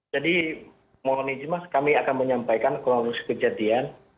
jadi mohon izin mas kami akan menyampaikan kronologis kejadian